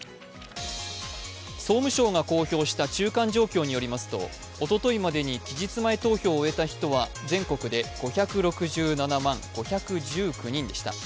総務省が公表した中間状況によりますとおとといまでに期日前投票を終えた人は全国で５６７万５１９人でした。